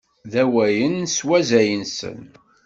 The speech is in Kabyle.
D awalen s wazal-nsen.